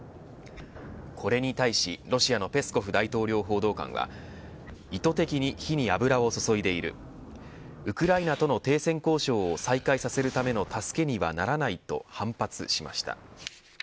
これに対しロシアのペスコフ大統領報道官は意図的に火に油を注いでいるウクライナとの停戦交渉を再開させるための助けにはならないと反発しました。